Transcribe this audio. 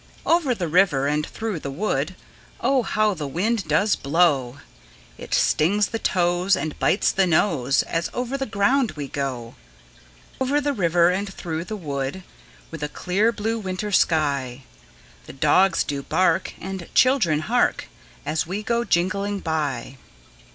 Over the river, and through the wood, Oh, how the wind does blow! It stings the toes, And bites the nose, As over the ground we go. Over the river, and through the wood, With a clear blue winter sky, The dogs do bark, And children hark, As we go jingling by.